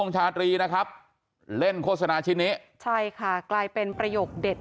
ใช่ค่ะกลายเป็นประโยคเด็ด